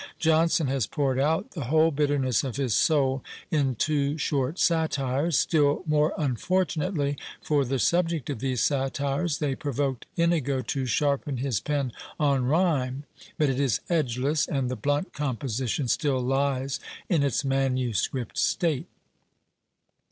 Jonson has poured out the whole bitterness of his soul in two short satires: still more unfortunately for the subject of these satires, they provoked Inigo to sharpen his pen on rhyme; but it is edgeless, and the blunt composition still lies in its manuscript state.